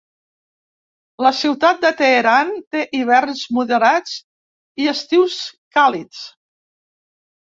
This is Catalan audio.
La ciutat de Teheran té hiverns moderats i estius càlids.